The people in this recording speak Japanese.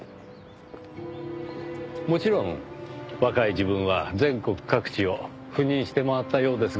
もちろん若い時分は全国各地を赴任して回ったようですが。